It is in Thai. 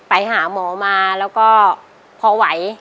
ไปหาหมอมาแล้วก็พอไหว